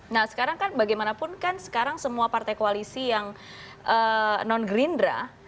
nah sekarang kan bagaimanapun kan sekarang semua partai koalisi yang non gerindra